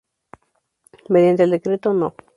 Mediante el decreto no.